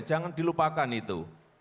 jangan dilupakan itu